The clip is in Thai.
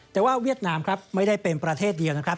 แต่ว่าเวียดนามครับไม่ได้เป็นประเทศเดียวนะครับ